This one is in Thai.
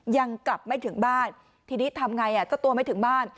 ยังกลับไม่ถึงบ้านทีนี้ทำไงเจ้าตัวไม่ถึงบ้าน